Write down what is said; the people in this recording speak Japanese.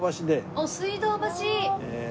おっ水道橋。